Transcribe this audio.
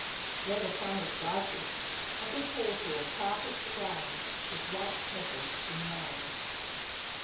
Where the sun is brightest, a big hawthorn carpets the ground with white petals in May.